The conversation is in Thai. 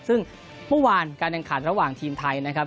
ซึ่งเมื่อวานการแข่งขันระหว่างทีมไทยนะครับ